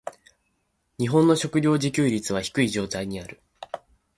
日本の食糧自給率は低い状態にある。